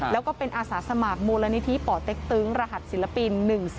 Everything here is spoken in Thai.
แล้วก็เป็นอาสาสมัครมูลนิธิป่อเต็กตึงรหัสศิลปิน๑๔